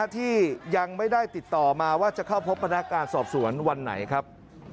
ที่ยังไม่ได้ติดต่อมาว่าจะเข้าพบพนักงานสอบสวนวันไหนครับ